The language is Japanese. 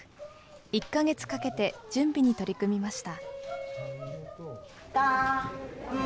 １か月かけて準備に取り組みました。